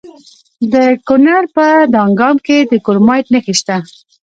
د کونړ په دانګام کې د کرومایټ نښې شته.